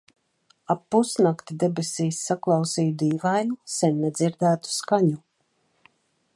Ap pusnakti debesīs saklausīju dīvainu, sen nedzirdētu skaņu.